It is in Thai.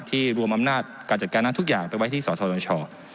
รวมอำนาจการจัดการนั้นทุกอย่างไปไว้ที่สธช